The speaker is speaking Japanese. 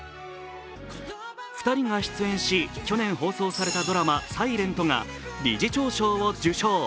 ２人が出演し、去年放送されたドラマ「ｓｉｌｅｎｔ」が理事長賞を受賞。